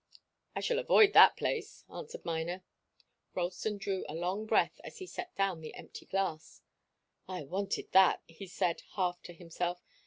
"I shall avoid that place," answered Miner. Ralston drew a long breath as he set down the empty glass. "I wanted that," he said, half to himself.